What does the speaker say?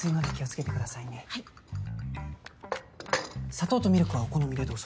砂糖とミルクはお好みでどうぞ。